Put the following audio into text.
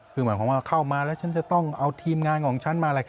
คือหมายความว่าเข้ามาแล้วฉันจะต้องเอาทีมงานของฉันมาอะไร